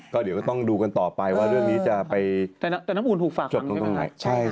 ก็เดี๋ยวก็ต้องดูกันต่อไปว่าเรื่องนี้จะไปจดกรรมไหน